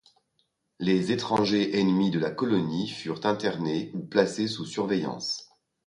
Les étrangers ennemis de la colonie furent internés ou placés sous surveillance.